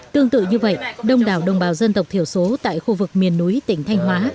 tương tự như vậy đông đảo đồng bào dân tộc thiểu số tại khu vực miền núi tỉnh thanh hóa